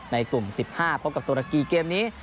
ในกลุ่ม๑๕พบกับตุรกีเกมนี้